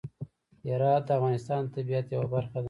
هرات د افغانستان د طبیعت یوه برخه ده.